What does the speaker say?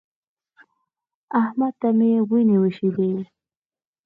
احمد ته مې وينې وايشېدې.